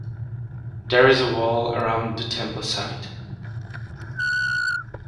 There is a wall around the temple site.